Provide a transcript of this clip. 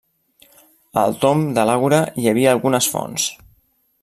Al tomb de l'àgora hi havia algunes fonts.